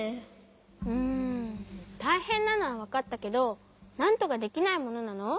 うんたいへんなのはわかったけどなんとかできないものなの？